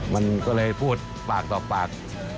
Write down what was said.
มันก็เลยพูดปากต่อปาก